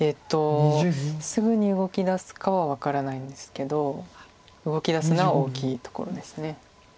すぐに動きだすかは分からないんですけど動きだすのは大きいところです。